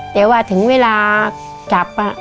แต่ว่าถึงเวลาจับ